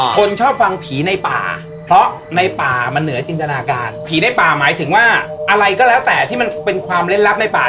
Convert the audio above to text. คนชอบฟังผีในป่าเพราะในป่ามันเหนือจินตนาการผีในป่าหมายถึงว่าอะไรก็แล้วแต่ที่มันเป็นความเล่นลับในป่า